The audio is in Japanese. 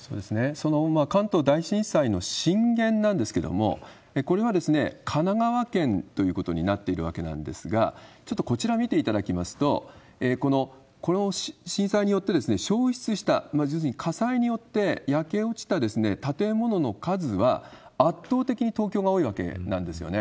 その関東大震災の震源なんですけれども、これは神奈川県ということになっているわけなんですが、ちょっとこちら見ていただきますと、この震災によって焼失した、要するに火災によって焼け落ちた建物の数は、圧倒的に東京が多いわけなんですよね。